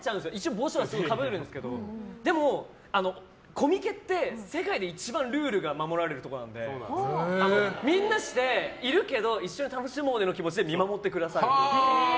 帽子とかかぶったりするんですけどでも、コミケって世界で一番ルールが守られるところなのでみんなして、いるけど一緒に楽しもうねの気持ちで見守ってくださる。